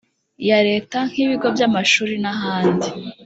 ya Leta nk ibigo by amashuri n ahandi